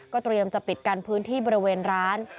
เตรียมจะปิดกันพื้นที่บริเวณร้าน